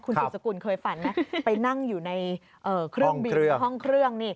สุดสกุลเคยฝันไหมไปนั่งอยู่ในเครื่องบินห้องเครื่อง